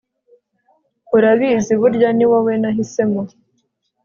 Urabizi burya niwowe nahisemo